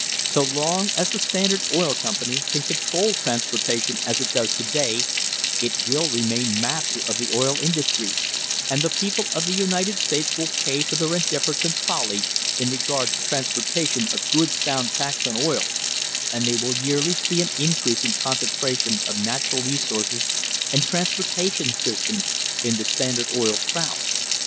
So long as the Standard Oil Company can control transportation as it does to day, it will remain master of the oil industry, and the people of the United States will THE HISTORY OF THE STANDARD OIL COMPANY pay for their indifference and folly in regard to transportation a good sound tax on oil, and they will yearly see an increasing concentration of natural resources and transportation systems in the Standard Oil crowd.